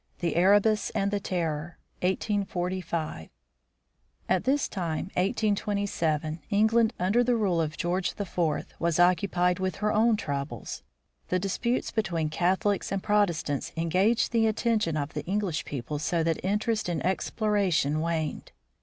THE EREBUS AND THE TERROR 1845 At this time, 1827, England, under the rule of George IV, was occupied with her own troubles. The disputes be tween Catholics and Protestants engaged the attention of the English people so that interest in exploration waned.